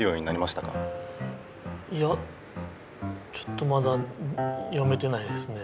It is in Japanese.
いやちょっとまだ読めてないですね。